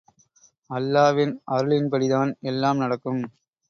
அல்லாவின் அருளின்படிதான் எல்லாம் நடக்கும்.